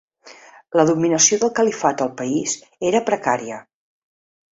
La dominació del califat al país era precària.